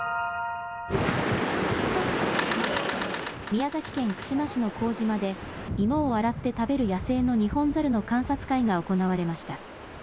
宮崎県串間市の幸島で芋を洗って食べる野生のニホンザルの観察会が行われました。